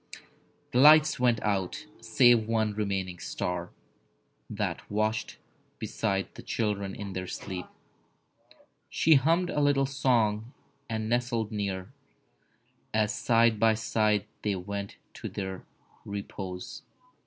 The lights went out, save one remaining star That watched beside the children in their sleep. She hummed a little song and nestled near, As side by side they went to their repose.